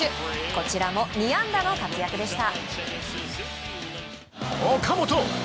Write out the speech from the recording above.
こちらも２安打の活躍でした。